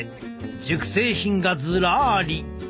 熟成品がずらり！